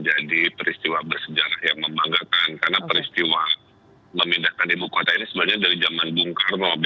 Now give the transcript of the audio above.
jadi belum ada konfirmasi dan saya belum bisa jawab secara formal